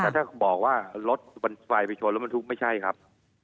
ถ้าบอกว่ารถไฟไปชนรถบรรทุกไม่ใช่ครับ